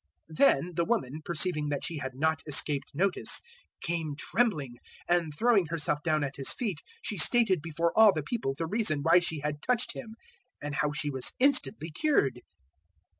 008:047 Then the woman, perceiving that she had not escaped notice, came trembling, and throwing herself down at His feet she stated before all the people the reason why she had touched Him and how she was instantly cured.